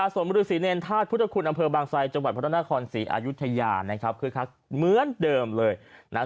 สมฤษีเนรธาตุพุทธคุณอำเภอบางไซจังหวัดพระนครศรีอายุทยานะครับคึกคักเหมือนเดิมเลยนะครับ